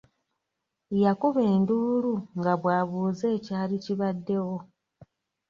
Yakuba enduulu nga bw’abuuza ekyali kibaddewo.